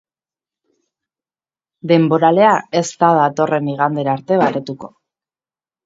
Denboralea ez da datorren igandera arte baretuko.